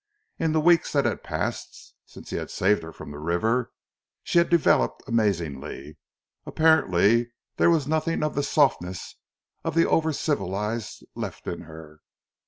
In the weeks that had passed since he had saved her from the river she had developed amazingly. Apparently there was nothing of the softness of the over civilized left in her.